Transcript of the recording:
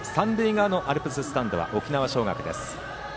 三塁側のアルプススタンドは沖縄尚学です。